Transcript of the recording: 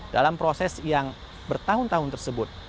dalam proses yang bertahun tahun tersebut